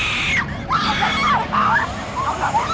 พี่ป๋องครับผมเคยไปที่บ้านผีคลั่งมาแล้ว